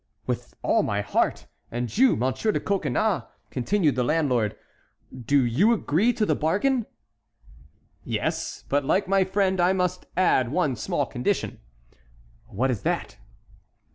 "With all my heart—and you, Monsieur de Coconnas," continued the landlord, "do you agree to the bargain?" "Yes; but, like my friend, I must add one small condition." "What is that?"